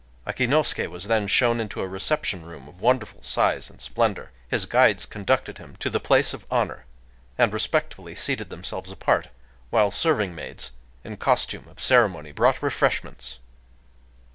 Akinosuké was then shown into a reception room of wonderful size and splendor. His guides conducted him to the place of honor, and respectfully seated themselves apart; while serving maids, in costume of ceremony, brought refreshments.